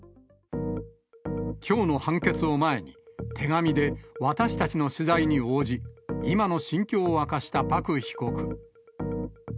きょうの判決を前に、手紙で私たちの取材に応じ、今の心境を明かしたパク被告。